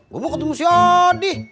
gue mau ketemu si oddi